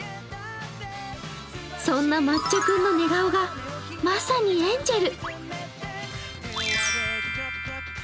そんな抹茶くんの寝顔が、まさにエンジェル。